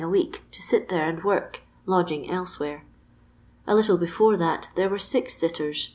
a week to ait there and work, lodging elsewhere. A little be fore that there were aix aitters.